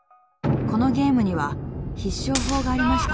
［このゲームには必勝法がありました］